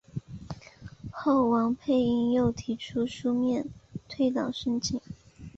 后王佩英又提出书面退党申请。